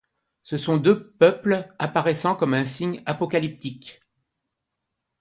Ce sont deux peuples apparaissant comme un signe apocalyptique.